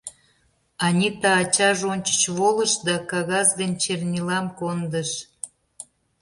Анита ачаж ончыч волыш да кагаз ден чернилам кондыш.